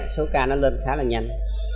số ca nó lên khá là nhanh